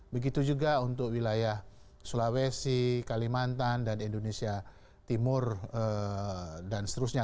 begitu juga untuk wilayah sulawesi kalimantan dan indonesia timur dan seterusnya